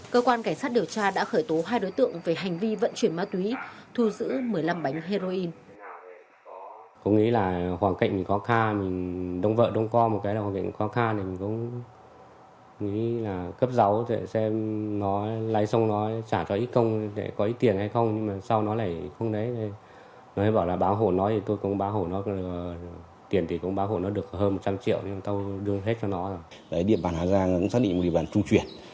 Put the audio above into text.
cơ quan cảnh sát điều tra đã khởi tố hai đối tượng về hành vi vận chuyển ma túy thu giữ một mươi năm bánh heroin